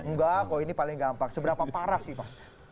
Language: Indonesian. enggak kok ini paling gampang seberapa parah sih mas